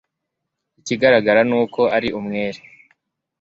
Ikigaragara ni uko ari umwere